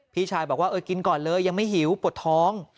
พี่ชายบอกว่าเออกินก่อนเลยยังไม่หิวปวดท้อง